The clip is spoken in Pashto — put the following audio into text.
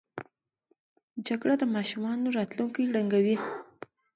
جګړه د ماشومانو راتلونکی ړنګوي